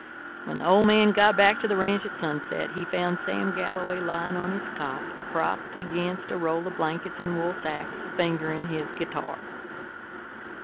When the old man got back to the ranch at sunset he found Sam Galloway lying on his cot, propped against a roll of blankets and wool sacks, fingering his guitar.